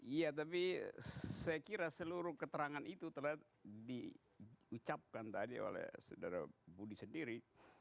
iya tapi saya kira seluruh keterangan itu telah diucapkan tadi oleh saudara budi sendiri